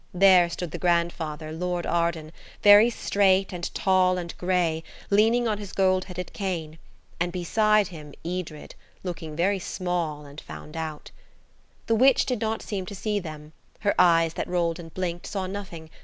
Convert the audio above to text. There stood the grandfather, Lord Arden, very straight and tall and grey, leaning on his gold headed cane, and beside him Edred, looking very small and found out. The old witch did not seem to see them; her eyes, that rolled and blinked, saw nothing.